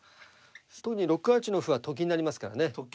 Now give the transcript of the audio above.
６八の歩はと金に成りますからね。と金。